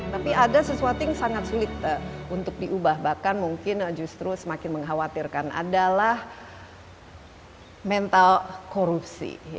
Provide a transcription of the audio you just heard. tapi ada sesuatu yang sangat sulit untuk diubah bahkan mungkin justru semakin mengkhawatirkan adalah mental korupsi